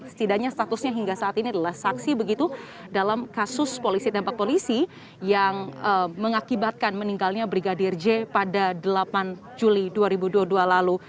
setidaknya statusnya hingga saat ini adalah saksi begitu dalam kasus polisi tembak polisi yang mengakibatkan meninggalnya brigadir j pada delapan juli dua ribu dua puluh dua lalu